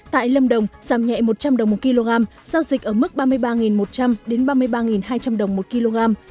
tại lâm đồng giảm nhẹ một trăm linh đồng một kg giao dịch ở mức ba mươi ba một trăm linh ba mươi ba hai trăm linh đồng một kg